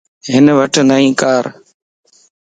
ھن وٽ نئين ڪار